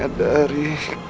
kau masih belum menyadari